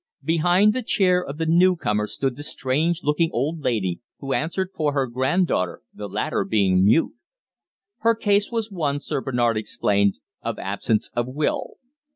Behind the chair of the new comer stood the strange looking old lady who answered for her grand daughter, the latter being mute. Her case was one, Sir Bernard explained, of absence of will.